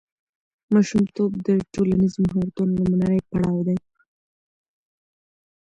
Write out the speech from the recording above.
ماشومتوب د ټولنیز مهارتونو لومړنی پړاو دی.